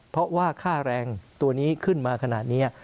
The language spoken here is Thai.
เพราะว่าค่าแรงตัวนี้ขึ้นมาขนาดนี้